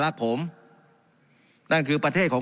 การปรับปรุงทางพื้นฐานสนามบิน